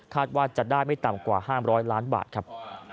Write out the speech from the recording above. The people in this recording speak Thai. ว่าจะได้ไม่ต่ำกว่า๕๐๐ล้านบาทครับ